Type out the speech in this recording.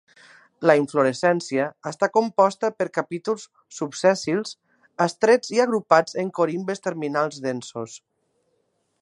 La inflorescència està composta per capítols subsèssils, estrets i agrupats en corimbes terminals densos.